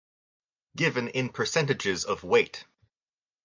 Given in percentages of weight.